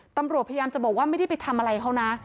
ตำรวจพยายามจะบอกว่าไม่ได้ไปทำอะไรเขานะ